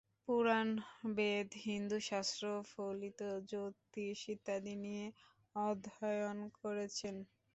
পুরাণ, বেদ, হিন্দু শাস্ত্র, ফলিত জ্যোতিষ ইত্যাদি নিয়ে অধ্যয়ন করেছেন।